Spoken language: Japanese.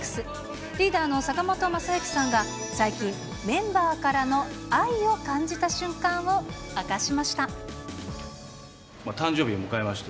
リーダーの坂本昌行さんが最近、メンバーからの愛を感じた瞬間を明かしました。